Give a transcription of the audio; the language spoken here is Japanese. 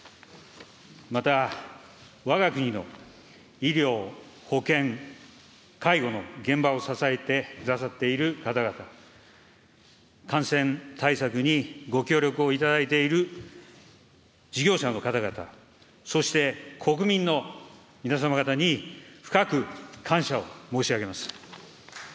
また、わが国の医療、保健、介護の現場を支えてくださっている方々、感染対策にご協力をいただいている事業者の方々、そして国民の皆様方に深く感謝を申し上げます。